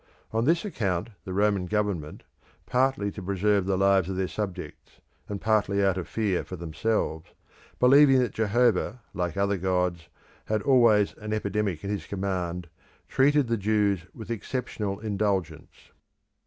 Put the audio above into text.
On this account the Roman government, partly to preserve the lives of their subjects, and partly out of fear for themselves, believing that Jehovah like the other gods, had always an epidemic at his command, treated the Jews with exceptional indulgence.